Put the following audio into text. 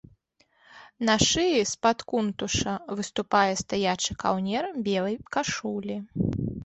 На шыі з-пад кунтуша выступае стаячы каўнер белай кашулі.